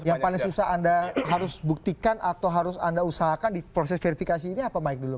yang paling susah anda harus buktikan atau harus anda usahakan di proses verifikasi ini apa mike dulu